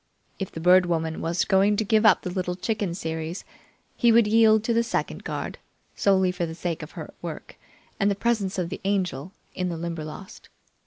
If the Bird Woman was going to give up the Little Chicken series, he would yield to the second guard, solely for the sake of her work and the presence of the Angel in the Limberlost.